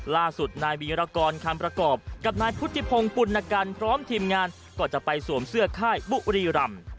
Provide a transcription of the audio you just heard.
ล่าสุดนายวีรกรคำประกอบกับนายพุทธิพงศ์ปุณกันพร้อมทีมงานก็จะไปสวมเสื้อค่ายบุรีรำ